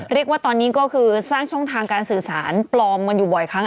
เรียกว่าตอนนี้ก็คือสร้างช่องทางการสื่อสารปลอมกันอยู่บ่อยครั้ง